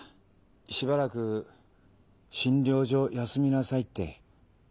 しばらく診療所休みなさいって。